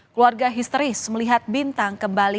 keluarga histeris melihat bintang kembali